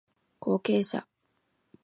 後継者